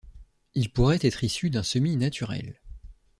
Il pourrait être issu d'un semis naturel.